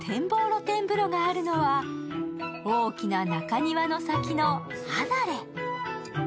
露天風呂があるのは大きな中庭の先の離れ。